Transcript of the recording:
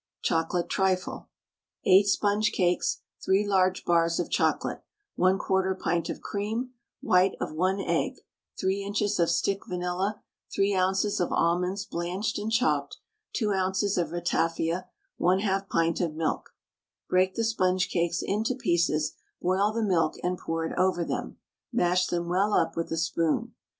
CHOCOLATE TRIFLE. 8 sponge cakes, 3 large bars of chocolate, 1/4 pint of cream, white of 1 egg, 3 inches of stick vanilla, 3 oz. of almonds blanched and chopped, 2 oz. of ratafia, 1/2 pint of milk. Break the sponge cakes into pieces, boil the milk and pour it over them; mash them well up with a spoon.